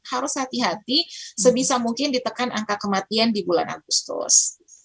harus hati hati sebisa mungkin ditekan angka kematian di bulan agustus